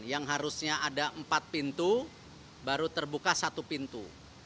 yang harusnya ada empat pintu baru terbuka satu pintu